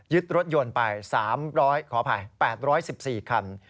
ยึดรถยนต์ไป๘๑๔คัน